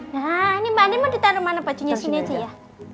nah ini mbak ani mau ditaruh mana bajunya sini aja ya